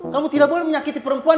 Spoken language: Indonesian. kamu tidak boleh menyakiti perempuan